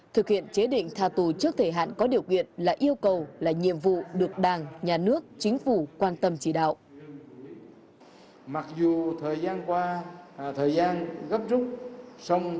thực hiện chế định tha tù trước thời hạn có điều kiện là yêu cầu là nhiệm vụ được đảng nhà nước chính phủ quan tâm chỉ đạo